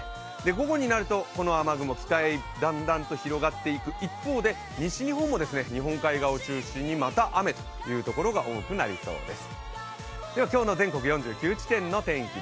午後になるとこの雨雲、北へだんだんと広がっていく一方で、西日本は日本海側を中心にまた雨というところが多くなりそうです。